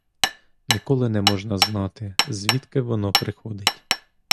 Ніколи не можна знати, звідки воно приходить!